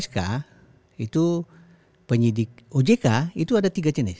p dua sk itu penyedik ojk itu ada tiga jenis